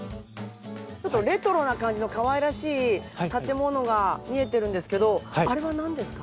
ちょっとレトロな感じのかわいらしい建物が見えてるんですけどあれはなんですか？